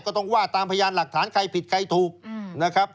ก็ต้องว่าตามพยานหลักฐานใครผิดใครถูกนะครับ